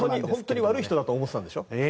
本当に悪い人だと思ってたんでしょ？